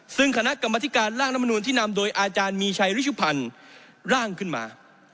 ซึ่งคณะกรรมธิการร่างรัฐมนุนที่นำโดยอาจารย์มีชัยริชุพันธ์ร่างขึ้นมา